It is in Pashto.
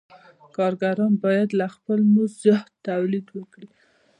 کارګران باید له خپل مزد زیات تولید وکړي